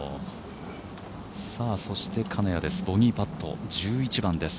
そして金谷です、ボギーパット１１番です。